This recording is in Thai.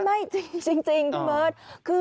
ไม่จริงพี่เบิร์ต